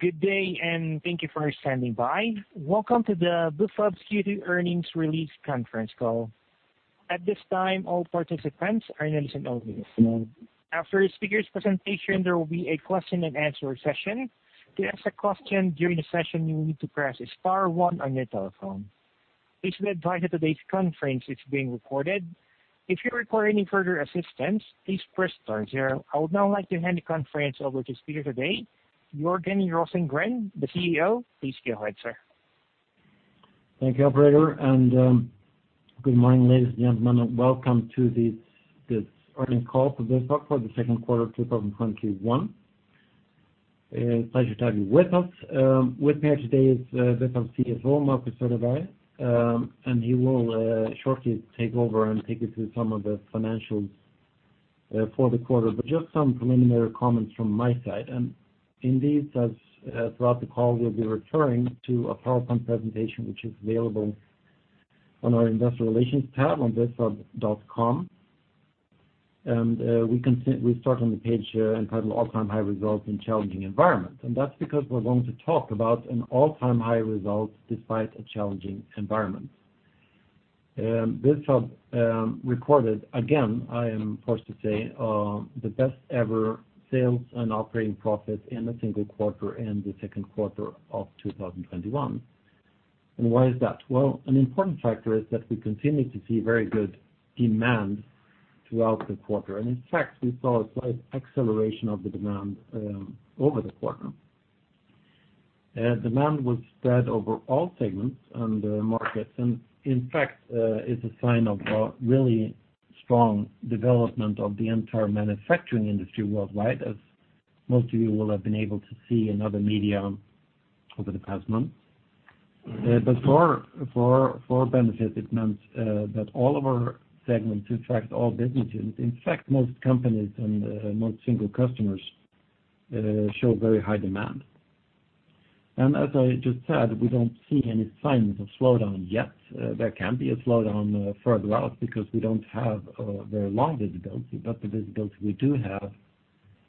Good day. Thank you for standing by. Welcome to the Bufab's Q2 earnings release conference call. At this time, all participants are in listen-only mode. After the speaker's presentation, there will be a question and answer session. To ask a question during the session, you will need to press star one on your telephone. Please be advised that today's conference is being recorded. If you require any further assistance, please press star zero. I would now like to hand the conference over to the speaker today, Jörgen Rosengren, the CEO. Please go ahead, sir. Thank you, operator, and good morning, ladies and gentlemen. Welcome to this earnings call for Bufab for the second quarter of 2021. Pleasure to have you with us. With me today is Bufab CFO, Marcus Söderberg, He will shortly take over and take you through some of the financials for the quarter. Just some preliminary comments from my side. Indeed, as throughout the call, we will be referring to a PowerPoint presentation, which is available on our Investor Relations tab on bufab.com. We start on the page entitled All-time high results in challenging environment. That is because we are going to talk about an all-time high result despite a challenging environment. Bufab recorded, again, I am forced to say, the best ever sales and operating profit in a single quarter in the second quarter of 2021. Why is that? Well, an important factor is that we continued to see very good demand throughout the quarter. In fact, we saw a slight acceleration of the demand over the quarter. Demand was spread over all segments and markets, and in fact, is a sign of a really strong development of the entire manufacturing industry worldwide, as most of you will have been able to see in other media over the past month. For our benefit, it meant that all of our segments, in fact, all businesses, most companies and most single customers show very high demand. As I just said, we don't see any signs of slowdown yet. There can be a slowdown further out because we don't have a very long visibility, but the visibility we do have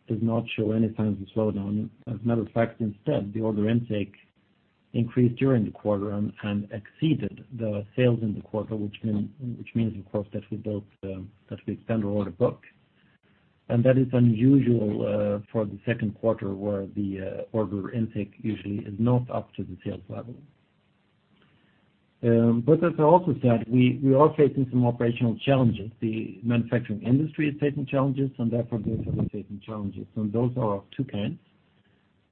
does not show any signs of slowdown. As a matter of fact, instead, the order intake increased during the quarter and exceeded the sales in the quarter, which means, of course, that we extend our order book. That is unusual for the second quarter where the order intake usually is not up to the sales level. As I also said, we are facing some operational challenges. The manufacturing industry is facing challenges, and therefore Bufab is facing challenges, and those are of two kinds.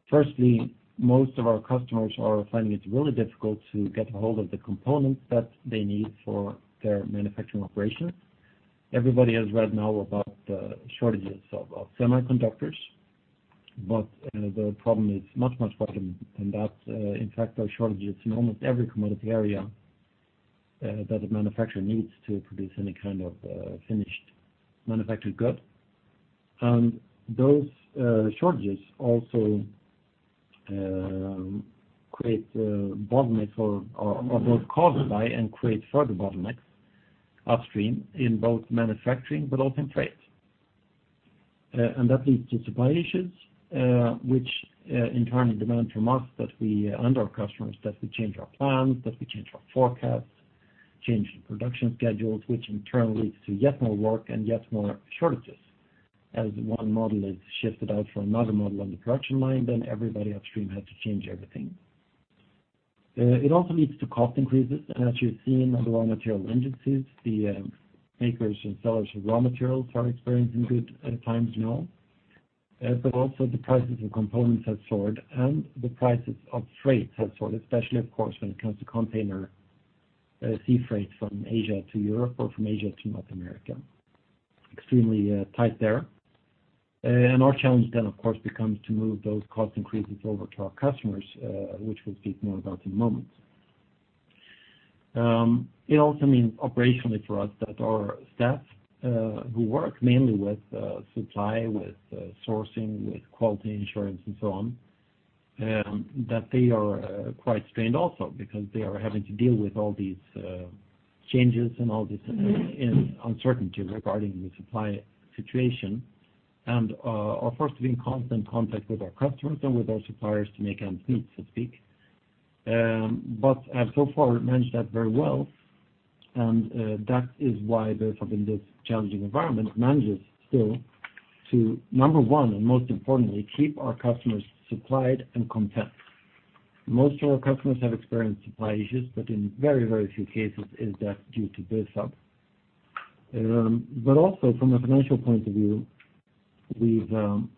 Firstly, most of our customers are finding it really difficult to get a hold of the components that they need for their manufacturing operations. Everybody has read now about the shortages of semiconductors, but the problem is much, much broader than that. In fact, there are shortages in almost every commodity area that a manufacturer needs to produce any kind of finished manufactured good. Those shortages also are both caused by and create further bottlenecks upstream in both manufacturing but also in freight. That leads to supply issues, which in turn demand from us and our customers that we change our plans, that we change our forecasts, change the production schedules, which in turn leads to yet more work and yet more shortages. As one model is shifted out for another model on the production line, then everybody upstream has to change everything. It also leads to cost increases, as you've seen on the raw material indices. The makers and sellers of raw materials are experiencing good times now. Also the prices of components have soared, and the prices of freight have soared, especially, of course, when it comes to container sea freight from Asia to Europe or from Asia to North America. Extremely tight there. Our challenge, of course, becomes to move those cost increases over to our customers, which we'll speak more about in a moment. It also means operationally for us that our staff who work mainly with supply, with sourcing, with quality assurance and so on, that they are quite strained also because they are having to deal with all these changes and all this uncertainty regarding the supply situation and are forced to be in constant contact with our customers and with our suppliers to make ends meet, so to speak. Have so far managed that very well, and that is why Bufab, in this challenging environment, manages still to, number one, and most importantly, keep our customers supplied and content. Most of our customers have experienced supply issues, but in very few cases is that due to Bufab. Also from a financial point of view, we've been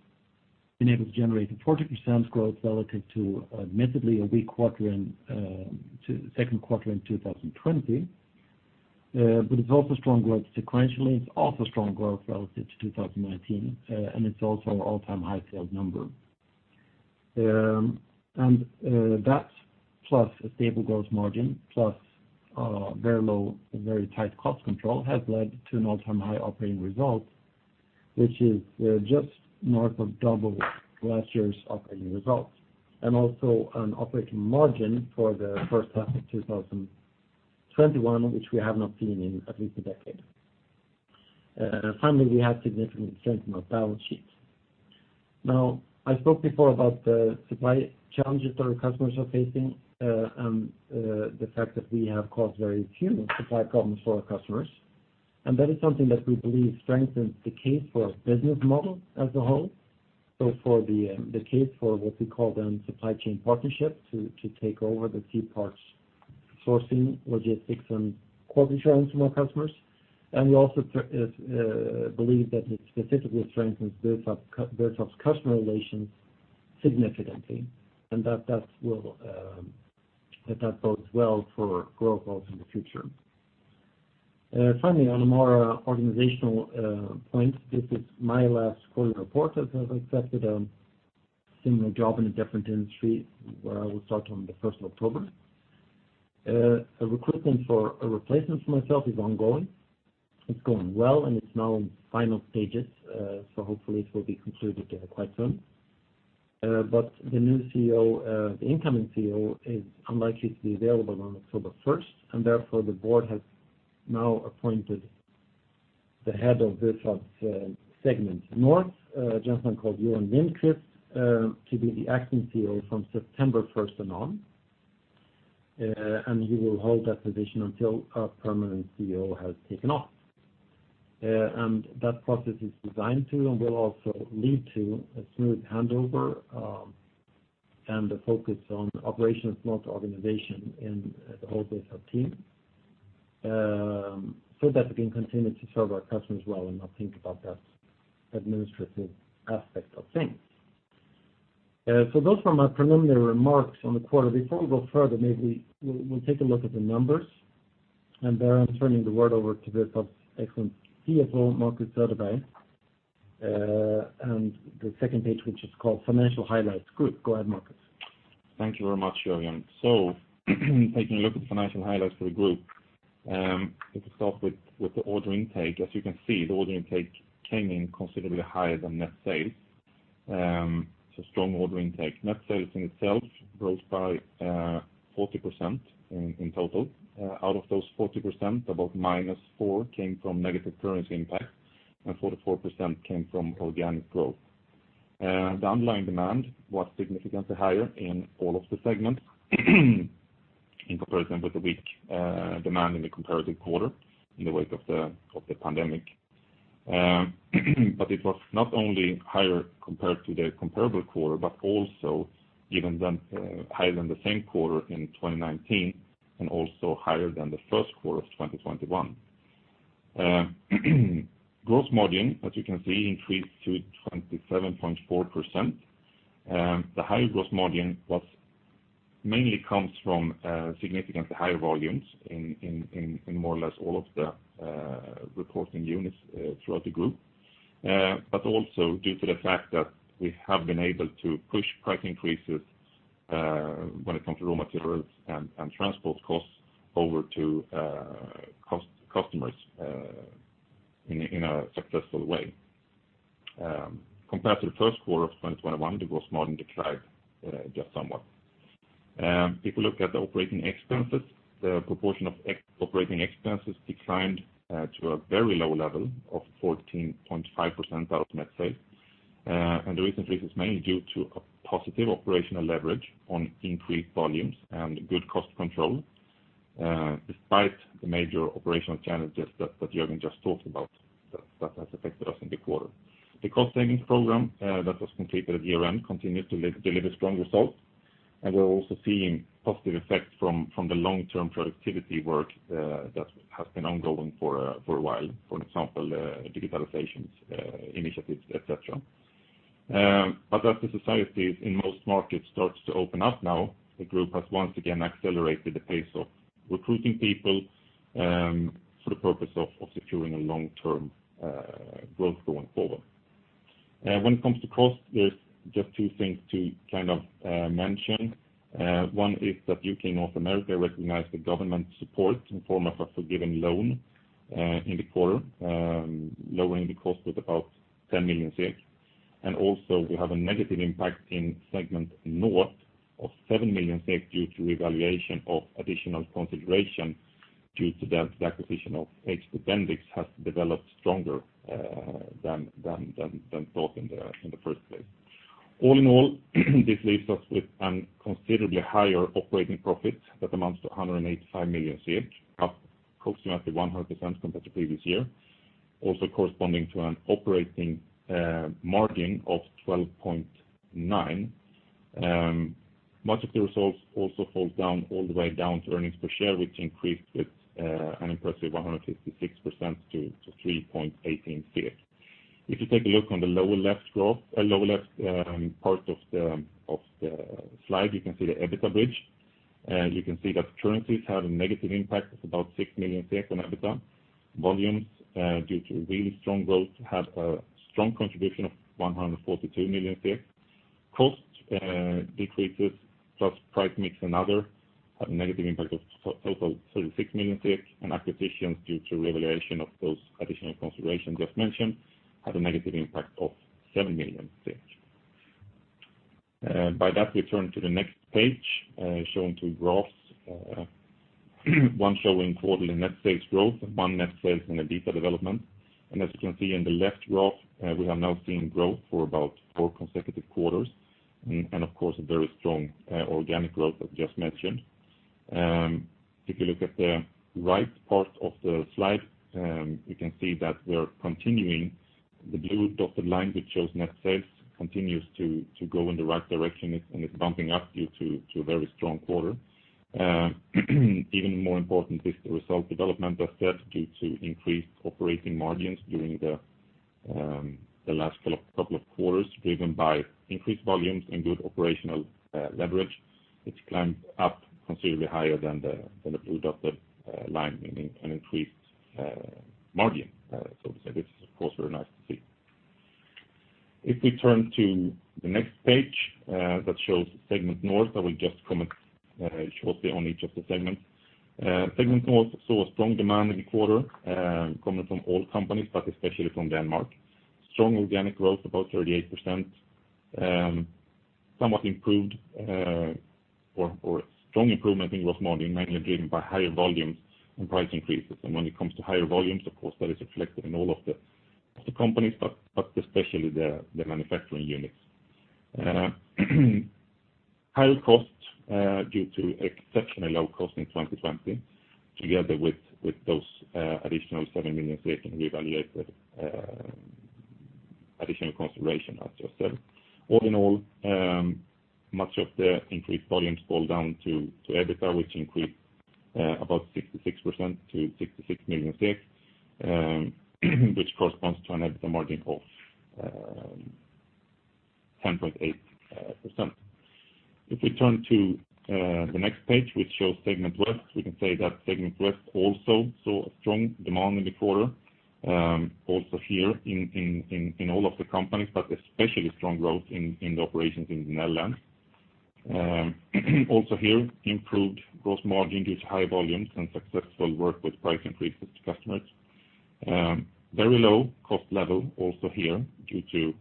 able to generate a 40% growth relative to admittedly a weak second quarter in 2020. It's also strong growth sequentially. It's also strong growth relative to 2019, and it's also an all-time high sales number. That, plus a stable gross margin, plus very tight cost control, has led to an all-time high operating result, which is just north of double last year's operating result, and also an operating margin for the first half of 2021, which we have not seen in at least a decade. Finally, we have two different strengths in our balance sheets. I spoke before about the supply challenges that our customers are facing, and the fact that we have caused very few supply problems for our customers. That is something that we believe strengthens the case for our business model as a whole. For the case for what we call them supply chain partnerships, to take over the C-parts, sourcing, logistics, and quality assurance from our customers. We also believe that it specifically strengthens Bufab customer relations significantly, and that bodes well for growth goals in the future. Finally, on a more organizational point, this is my last quarter report, as I've accepted a similar job in a different industry, where I will start on the October 1st. Recruitment for a replacement for myself is ongoing. It's going well, and it's now in final stages, so hopefully it will be concluded quite soon. The incoming CEO is unlikely to be available on October 1st, and therefore the board has now appointed the head of Bufab Segment North, a gentleman called Johan Lindqvist, to be the acting CEO from September 1st and on. He will hold that position until a permanent CEO has taken off. That process is designed to, and will also lead to, a smooth handover, and a focus on operations, not organization in the whole Bufab team, so that we can continue to serve our customers well and not think about that administrative aspect of things. Those are my preliminary remarks on the quarter. Before we go further, maybe we'll take a look at the numbers, and there I'm turning the word over to Bufab excellent CFO, Marcus Söderberg. The second page, which is called Financial Highlights. Good. Go ahead, Marcus. Thank you very much, Jörgen. Taking a look at financial highlights for the group. Let's start with the order intake. As you can see, the order intake came in considerably higher than net sales. Strong order intake. Net sales in itself rose by 40% in total. Out of those 40%, about minus 4% came from negative currency impact, and 44% came from organic growth. The underlying demand was significantly higher in all of the segments in comparison with the weak demand in the comparative quarter in the wake of the pandemic. It was not only higher compared to their comparable quarter, but also even higher than the same quarter in 2019 and also higher than the first quarter of 2021. Gross margin, as you can see, increased to 27.4%. The high gross margin mainly comes from significantly higher volumes in more or less all of the reporting units throughout the Group. Also due to the fact that we have been able to push price increases when it comes to raw materials and transport costs over to customers in a successful way. Compared to the first quarter of 2021, the gross margin declined just somewhat. If you look at the operating expenses, the proportion of operating expenses declined to a very low level of 14.5% of net sales. The reason for this is mainly due to a positive operational leverage on increased volumes and good cost control, despite the major operational challenges that Jörgen just talked about that has affected us in the quarter. The cost-saving program that was completed at year-end continued to deliver strong results, and we're also seeing positive effects from the long-term productivity work that has been ongoing for a while, for example, digitalization initiatives, etc. As the society in most markets starts to open up now, the group has once again accelerated the pace of recruiting people for the purpose of securing long-term growth going forward. When it comes to cost, there's just two things to mention. One is that you can in North America recognize the government support in the form of a forgiven loan in the quarter, lowering the cost with about 10 million. Also, we have a negative impact in Segment North of 7 million due to revaluation of additional consideration due to the acquisition of HT Bendix has developed stronger than thought in the first place. All in all, this leaves us with a considerably higher operating profit that amounts to 185 million, up approximately 100% compared to previous year. Also corresponding to an operating margin of 12.9%. Much of the results also fall down all the way down to earnings per share, which increased with an impressive 156% to 3.18. If you take a look on the lower left part of the slide, you can see the EBITDA bridge. You can see that currencies had a negative impact of about 6 million on EBITDA. Volumes, due to really strong growth, had a strong contribution of 142 million. Cost decreases plus price mix and other had a negative impact of total 36 million, and acquisitions due to revaluation of those additional considerations I just mentioned had a negative impact of 7 million. By that, we turn to the next page showing two graphs, one showing quarterly net sales growth, one net sales and EBITDA development. As you can see in the left graph, we are now seeing growth for about four consecutive quarters, and of course, a very strong organic growth as just mentioned. If you look at the right part of the slide, you can see that the blue dotted line that shows net sales continues to go in the right direction, and it's bumping up due to a very strong quarter. Even more important is the result development that's due to increased operating margins during the last couple of quarters, driven by increased volumes and good operational leverage, which climbs up considerably higher than the blue dotted line, meaning an increased margin. This is, of course, very nice to see. If we turn to the next page that shows Segment North, I will just comment shortly on each of the segments. Segment North saw a strong demand in the quarter coming from all companies, but especially from Denmark. Strong organic growth, about 38%. Strong improvement in gross margin, mainly driven by higher volumes and price increases. When it comes to higher volumes, of course, that is reflected in all of the companies, but especially the manufacturing units. Higher costs due to exceptionally low cost in 2020, together with those additional 7 million and revaluated additional consideration, as I said. All in all, much of the increased volumes fall down to EBITDA, which increased about 66% to 66 million, which corresponds to an EBITDA margin of 10.8%. If we turn to the next page, which shows Segment West, we can say that Segment West also saw a strong demand in the quarter. Also here in all of the companies, but especially strong growth in the operations in the Netherlands. Also here, improved gross margin due to high volumes and successful work with price increases to customers. Very low cost level also here due to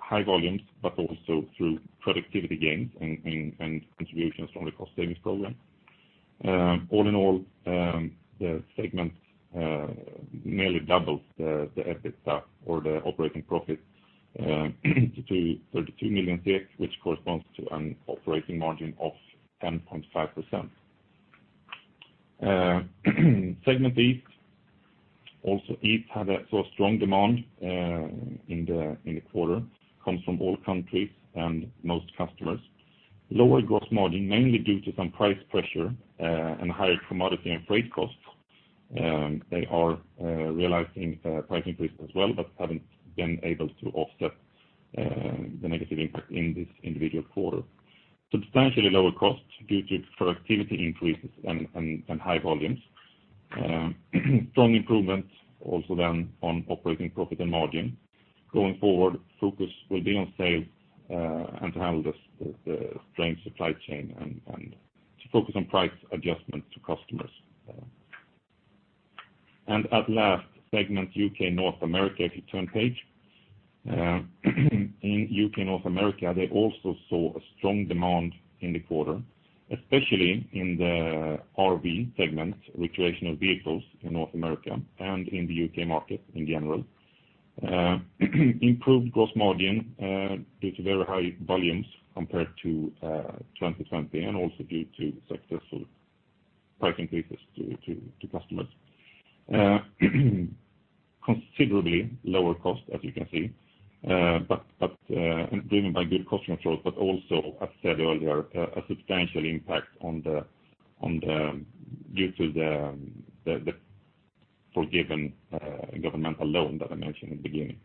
high volumes, but also through productivity gains and contributions from the cost savings program. All in all, the segment nearly doubles the EBITDA or the operating profit to 32 million, which corresponds to an operating margin of 10.5%. Segment East. East had a strong demand in the quarter, comes from all countries and most customers. Lower gross margin, mainly due to some price pressure and higher commodity and freight costs. They are realizing price increase as well, but haven't been able to offset the negative impact in this individual quarter. Substantially lower costs due to productivity increases and high volumes. Strong improvement also on operating profit and margin. Going forward, focus will be on sales and to handle the strained supply chain and to focus on price adjustments to customers. At last, Segment UK North America, if you turn page. In UK North America, they also saw a strong demand in the quarter, especially in the RV segment, recreational vehicles in North America and in the U.K. market in general. Improved gross margin due to very high volumes compared to 2020 and also due to successful price increases to customers. Considerably lower cost, as you can see, driven by good cost control, also, as said earlier, a substantial impact due to the forgiven governmental loan that I mentioned in the beginning.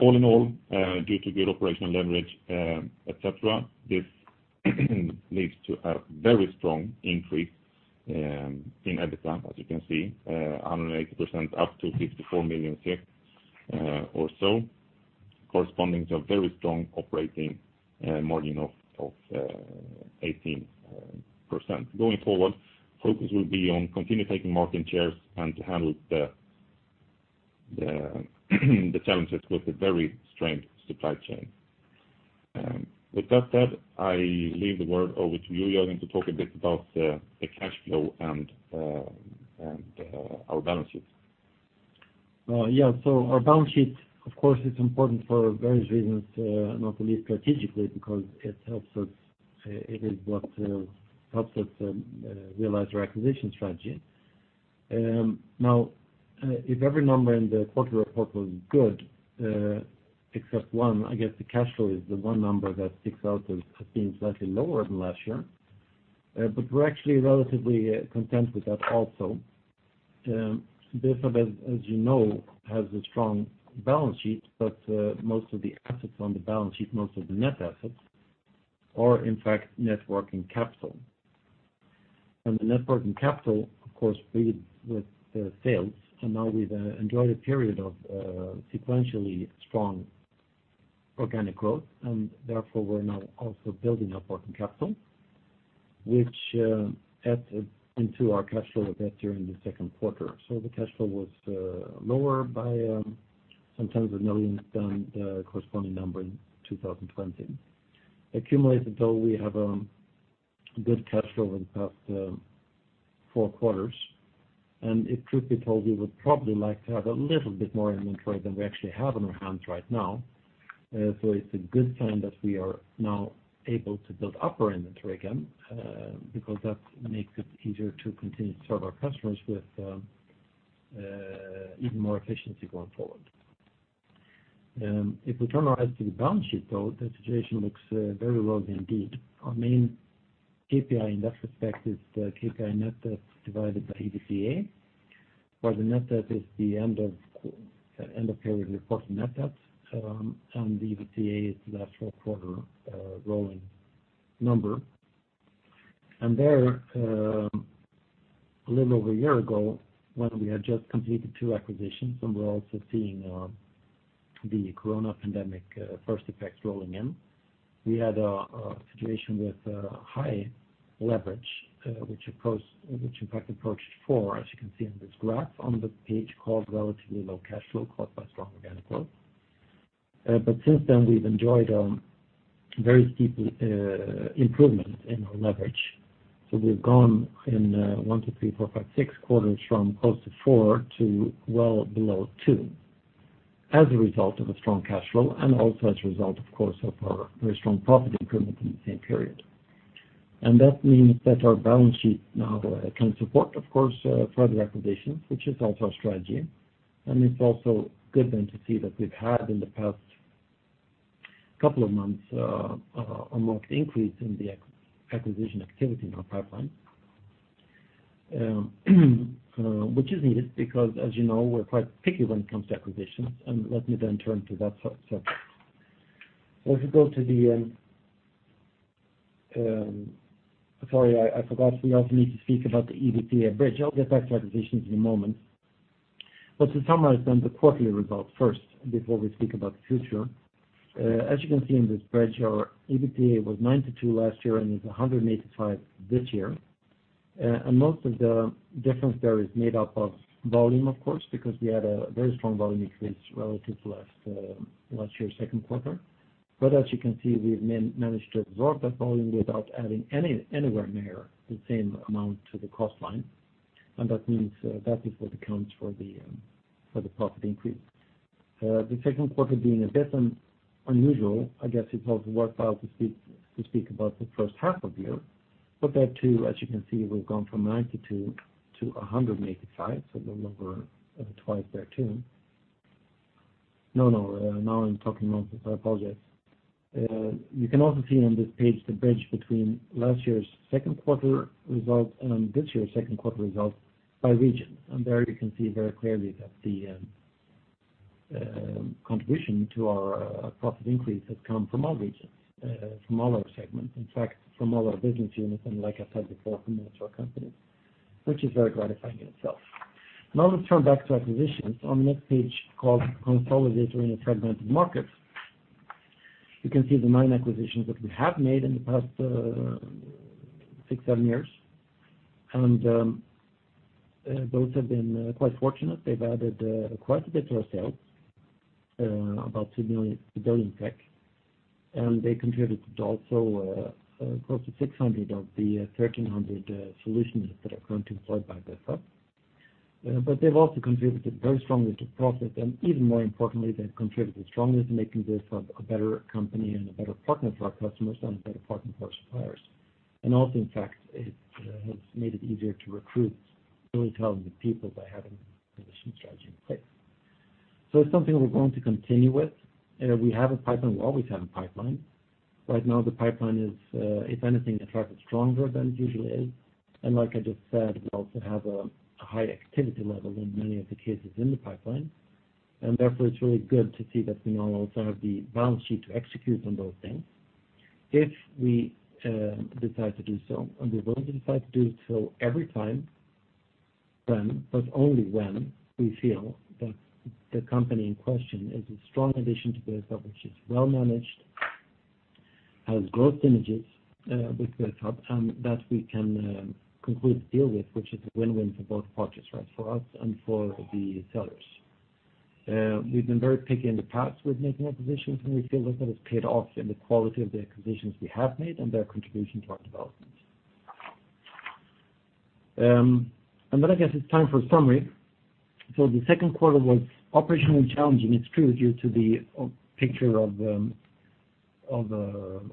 All in all, due to good operational leverage, et cetera, this leads to a very strong increase in EBITDA, as you can see, 180% up to 54 million or so, corresponding to a very strong operating margin of 18%. Going forward, focus will be on continuing taking market shares and to handle the challenges with a very strained supply chain. With that said, I leave the word over to you, Jörgen, to talk a bit about the cash flow and our balance sheet. Yeah, our balance sheet, of course, is important for various reasons, not only strategically, because it is what helps us realize our acquisition strategy. Now, if every number in the quarter report was good, except one, I guess the cash flow is the one number that sticks out as being slightly lower than last year. We're actually relatively content with that also. Bufab, as you know, has a strong balance sheet, but most of the assets on the balance sheet, most of the net assets are, in fact, net working capital. The net working capital, of course, builds with sales. Now we've enjoyed a period of sequentially strong organic growth, and therefore we're now also building up working capital which added into our cash flow we got during the second quarter. The cash flow was lower by some tens of millions than the corresponding number in 2020. Accumulated though, we have a good cash flow in the past four quarters, and it truth be told, we would probably like to have a little bit more inventory than we actually have on our hands right now. It's a good sign that we are now able to build up our inventory again, because that makes it easier to continue to serve our customers with even more efficiency going forward. We turn our eyes to the balance sheet, though, the situation looks very rosy indeed. Our main KPI in that respect is the KPI net debt divided by EBITDA, where the net debt is the end of period reported net debt, and the EBITDA is last four quarter rolling number. There, a little over a year ago when we had just completed two acquisitions, and we're also seeing the corona pandemic first effects rolling in, we had a situation with high leverage, which in fact approached 4x, as you can see on this graph on the page called relatively low cash flow caused by strong organic growth. Since then, we've enjoyed a very steep improvement in our leverage. We've gone in six quarters from close to 4x to well below 2x as a result of a strong cash flow and also as a result, of course, of our very strong profit improvement in the same period. That means that our balance sheet now can support, of course, further acquisitions, which is also our strategy. It's also good then to see that we've had in the past couple of months a marked increase in the acquisition activity in our pipeline. Which is needed because, as you know, we're quite picky when it comes to acquisitions. Let me then turn to that. I forgot we also need to speak about the EBITDA bridge. I'll get back to acquisitions in a moment. To summarize then the quarterly results first before we speak about the future. As you can see in this bridge, our EBITDA was 92 last year and is 185 this year. Most of the difference there is made up of volume, of course, because we had a very strong volume increase relative to last year's second quarter. As you can see, we've managed to absorb that volume without adding anywhere near the same amount to the cost line. That means that is what accounts for the profit increase. The second quarter being a bit unusual, I guess it also works out to speak about the first half of year. There too, as you can see, we've gone from 92-185, so a little over twice there too. No, now I'm talking nonsense, I apologize. You can also see on this page the bridge between last year's second quarter results and this year's second quarter results by region. There you can see very clearly that the contribution to our profit increase has come from all regions, from all our segments, in fact from all our business units and like I said before, from most of our companies, which is very gratifying in itself. Now let's turn back to acquisitions. On this page called consolidating a fragmented market, you can see the nine acquisitions that we have made in the past six, seven years. Those have been quite fortunate. They've added quite a bit to our sales, about 2 billion. They contributed also close to 600 of the 1,300 solutions that are currently sold by Bufab. They've also contributed very strongly to profit, and even more importantly, they've contributed strongly to making Bufab a better company and a better partner for our customers and a better partner for our suppliers. Also, in fact, it has made it easier to recruit really talented people by having these acquisition charges in place. It's something we're going to continue with. We have a pipeline. We always have a pipeline. Right now the pipeline is, if anything, a touch stronger than it usually is. Like I just said, we also have a high activity level in many of the cases in the pipeline. Therefore, it's really good to see that we now also have the balance sheet to execute on those things if we decide to do so, and we will decide to do so every time when, but only when, we feel that the company in question is a strong addition to Bufab, which is well managed, has growth synergies with Bufab, and that we can conclude a deal with, which is a win-win for both parties, right? For us and for the sellers. We've been very picky in the past with making acquisitions, and we feel like that has paid off in the quality of the acquisitions we have made and their contribution to our development. I guess it's time for a summary. The second quarter was operationally challenging, it's true, due to the picture of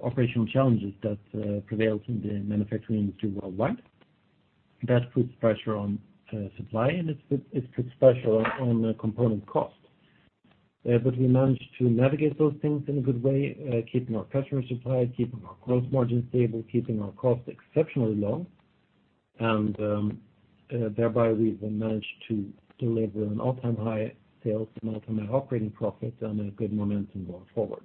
operational challenges that prevailed in the manufacturing industry worldwide. That puts pressure on supply, and it puts pressure on component costs. We managed to navigate those things in a good way, keeping our customer supply, keeping our gross margin stable, keeping our costs exceptionally low. Thereby we even managed to deliver an all-time high sales, an all-time high operating profit, and a good momentum going forward.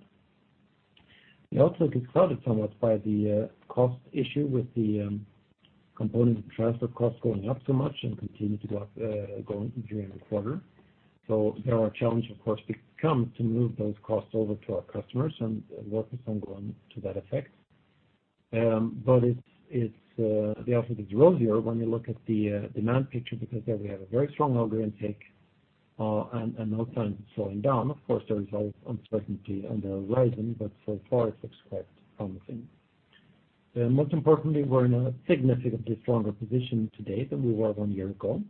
We also get crowded somewhat by the cost issue with the C-parts of transfer costs going up so much and continue to go up during the quarter. There our challenge, of course, becomes to move those costs over to our customers, and work is ongoing to that effect. The outlook is rosier when you look at the demand picture, because there we have a very strong order intake and no signs of slowing down. Of course, there is always uncertainty on the horizon, but so far it looks quite promising. Most importantly, we're in a significantly stronger position today than we were one year ago.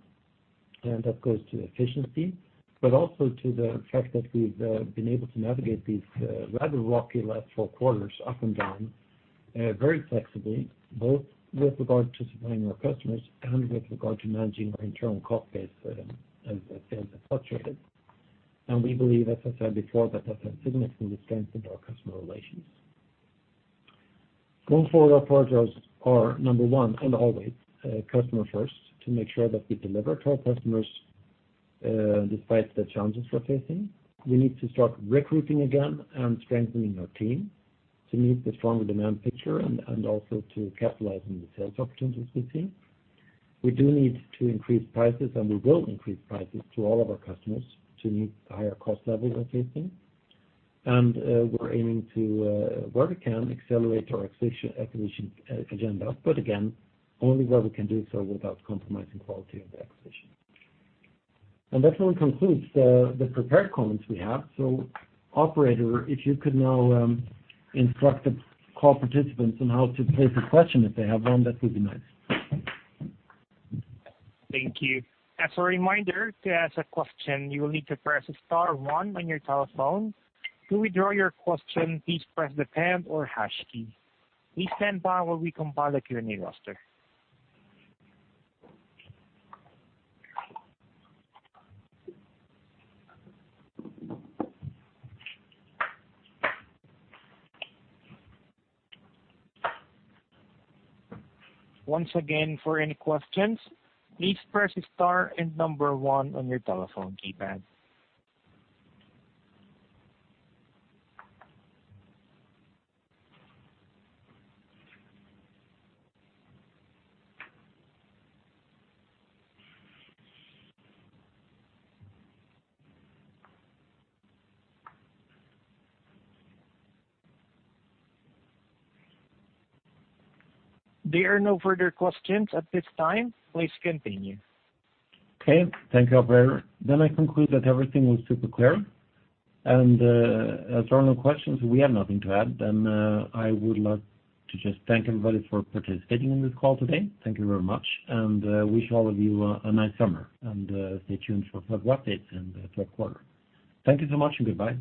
That goes to efficiency, but also to the fact that we've been able to navigate these rather rocky last 12 quarters up and down very flexibly, both with regard to supplying our customers and with regard to managing our internal cost base as sales have fluctuated. We believe, as I said before, that has significantly strengthened our customer relations. Going forward, our priorities are, number one and always, customer first to make sure that we deliver to our customers despite the challenges we're facing. We need to start recruiting again and strengthening our team to meet the strong demand picture and also to capitalize on the sales options that we see. We do need to increase prices, and we will increase prices to all of our customers to meet the higher cost levels we're facing. We're aiming to, where we can, accelerate our acquisition agenda, but again, only where we can do so without compromising quality of the acquisition. That's where we conclude the prepared comments we have. Operator, if you could now instruct the call participants on how to pose a question if they have one, that would be nice. Thank you. As a reminder, to ask a question, you will need to press star one on your telephone. To withdraw your question, please press the pound or hash key. Please stand by while we compile a queue roster. Once again, for any questions, please press star and number one on your telephone keypad. There are no further questions at this time. Please continue. Okay. Thank you, operator. I conclude that everything was super clear, and as there are no questions and we have nothing to add, then I would like to just thank everybody for participating in this call today. Thank you very much, and wish all of you a nice summer and stay tuned for further updates in the third quarter. Thank you so much, and goodbye.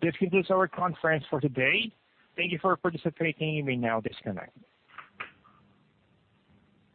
This concludes our conference for today. Thank you for participating. You may now disconnect.